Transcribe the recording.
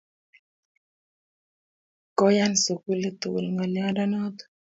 Koiyan sukulit tukul ng'alyondo notok